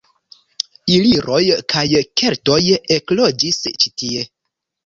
Iliroj kaj keltoj ekloĝis ĉi tie.